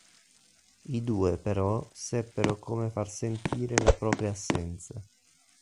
I due però seppero come far sentire la propria assenza.